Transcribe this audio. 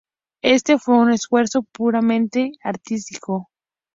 Este fue un esfuerzo puramente artístico.